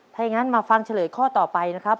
ถ้าอย่างนั้นมาฟังเฉลยข้อต่อไปนะครับ